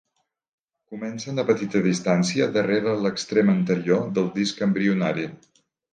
Comencen a petita distància darrera l’extrem anterior del disc embrionari.